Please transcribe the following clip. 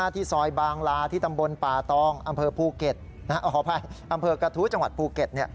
ที่ซอยบางราที่ตำบลปาตองอำเภอก่ะทู้จังหวัดภูเก็ต